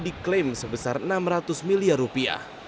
pabrik ini diklaim sebesar enam ratus miliar rupiah